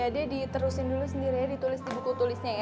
ada di terusin dulu sendiri ditulis buku buku tulisnya ya